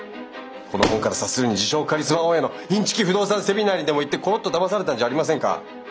この本から察するに自称カリスマ大家のインチキ不動産セミナーにでも行ってコロッとだまされたんじゃありませんか？